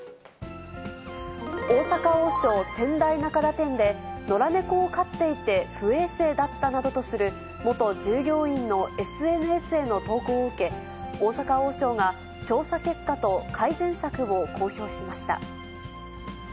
大阪王将仙台中田店で、野良猫を飼っていて不衛生だったなどとする、元従業員のＳＮＳへの投稿を受け、大阪王将が、調査結果と改善策を公表しました。